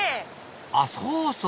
あっそうそう！